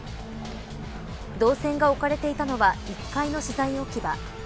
銅線が置かれていたのは１階の資材置き場。